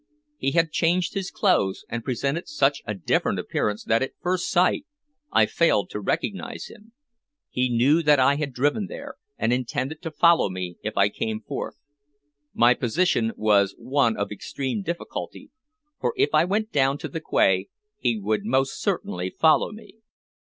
He had changed his clothes, and presented such a different appearance that at first sight I failed to recognize him. He knew that I had driven there, and intended to follow me if I came forth. My position was one of extreme difficulty, for if I went down to the quay he would most certainly follow me.